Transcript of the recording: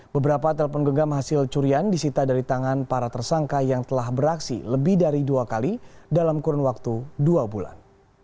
beberapa telpon genggam hasil curian disita dari tangan para tersangka yang telah beraksi lebih dari dua kali dalam kurun waktu dua bulan